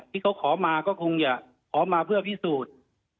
ที่เขาขอมาก็คงจะขอมาเพื่อพิสูจน์